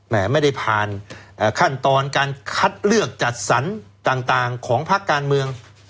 ไม่ได้ผ่านขั้นตอนการคัดเลือกจัดสรรต่างของภาคการเมือง